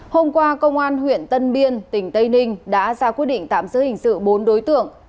hôm qua công an huyện tân biên tỉnh tây ninh đã ra quyết định tạm giữ hình sự bốn đối tượng